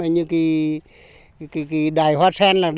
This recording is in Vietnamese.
như cái đài hoa sen